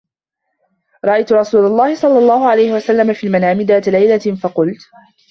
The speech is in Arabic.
رَأَيْتُ رَسُولَ اللَّهِ صَلَّى اللَّهُ عَلَيْهِ وَسَلَّمَ فِي الْمَنَامِ ذَاتَ لَيْلَةٍ فَقُلْتُ